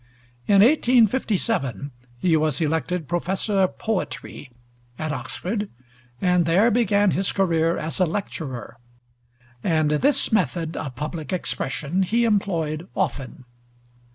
In 1857 he was elected Professor of Poetry at Oxford, and there began his career as a lecturer; and this method of public expression he employed often.